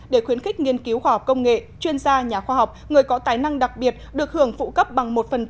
để khuyến khích nghiên cứu khoa học công nghệ chuyên gia nhà khoa học người có tài năng đặc biệt được hưởng phụ cấp bằng một